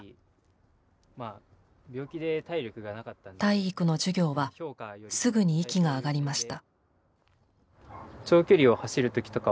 体育の授業はすぐに息が上がりました。